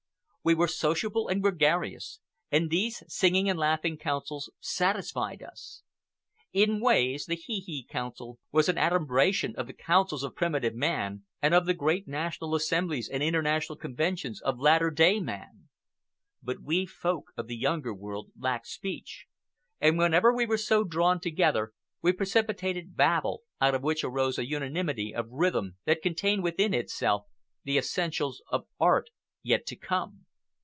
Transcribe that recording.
We were sociable and gregarious, and these singing and laughing councils satisfied us. In ways the hee hee council was an adumbration of the councils of primitive man, and of the great national assemblies and international conventions of latter day man. But we Folk of the Younger World lacked speech, and whenever we were so drawn together we precipitated babel, out of which arose a unanimity of rhythm that contained within itself the essentials of art yet to come.